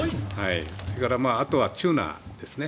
それからあとはチューナーですね。